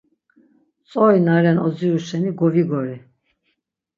Tzori na ren odziru şeni govigori.